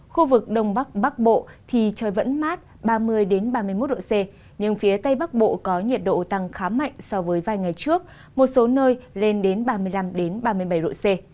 khu vực đông bắc bắc bộ thì trời vẫn mát ba mươi ba mươi một độ c nhưng phía tây bắc bộ có nhiệt độ tăng khá mạnh so với vài ngày trước một số nơi lên đến ba mươi năm ba mươi bảy độ c